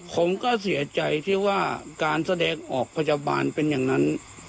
ผมก็เสียใจที่ว่าการแสดงออกพยาบาลเป็นอย่างนั้น